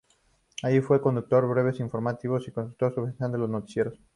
Allí fue conductor de breves informativos y conductor suplente de los noticieros.